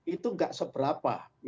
itu nggak seberapa